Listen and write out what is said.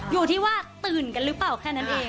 อยู่ที่ว่าตื่นกันหรือเปล่าแค่นั้นเอง